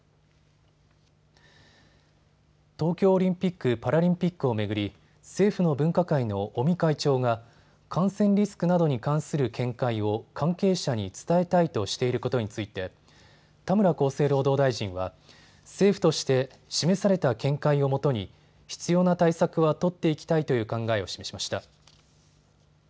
東京オリンピック・パラリンピックを巡り政府の分科会の尾身会長が感染リスクなどに関する見解を関係者に伝えたいとしていることについて田村厚生労働大臣は政府として示された見解をもとに必要な対策は取っていきたいという考えを示しました。